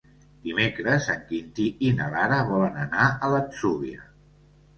Dimecres en Quintí i na Lara volen anar a l'Atzúbia.